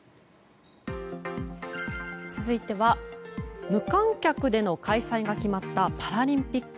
続いては無観客での開催が決まったパラリンピック。